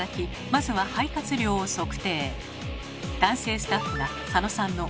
まずは肺活量を測定。